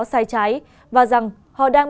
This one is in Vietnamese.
sai trái và rằng họ đang